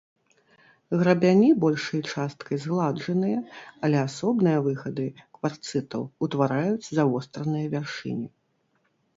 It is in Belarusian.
Грабяні большай часткай згладжаныя, але асобныя выхады кварцытаў утвараюць завостраныя вяршыні.